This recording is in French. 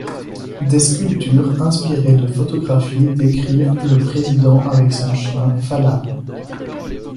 Des sculptures inspirés de photographies décrivent le président avec son chien Fala.